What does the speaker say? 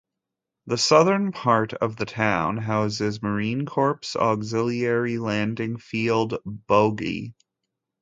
The southern part of the town houses Marine Corps Auxiliary Landing Field Bogue.